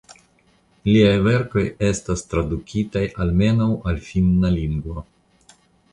Liaj verkoj estas tradukitaj almenaŭ al finna lingvo.